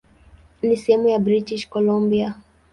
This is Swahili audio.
Ni sehemu ya British Columbia.